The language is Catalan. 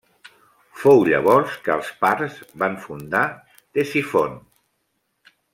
Fou llavors que els parts van fundar Ctesifont.